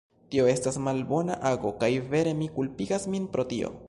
Tio estas malbona ago; kaj vere mi kulpigas min pro tio.